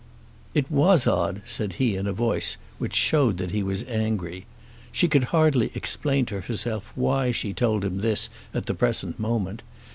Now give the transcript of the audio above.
"It was odd," said he in a voice which showed that he was angry. She could hardly explain to herself why she told him this at the present moment.